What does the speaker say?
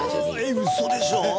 ウソでしょ！？